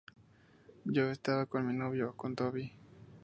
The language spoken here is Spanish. Yo estaba con mi novio, con Toby".